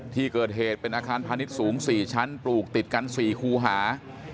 ที่เกิดเหตุเป็นอาคารพาณิชย์สูง๔ชั้นปลูกติดกัน๔คูหา